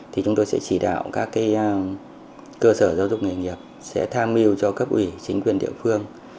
thì chúng tôi sẽ chỉ đạo các cơ sở giáo dục nghề nghiệp sẽ tham mưu cho cấp ủy chính quyền địa phương